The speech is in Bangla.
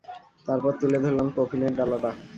তারপর তুলে ধরলাম কফিনের ডালাটা।